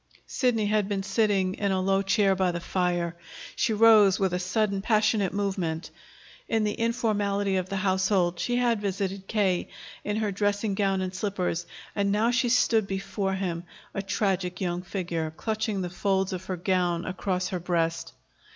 Sidney had been sitting in a low chair by the fire. She rose with a sudden passionate movement. In the informality of the household, she had visited K. in her dressing gown and slippers; and now she stood before him, a tragic young figure, clutching the folds of her gown across her breast.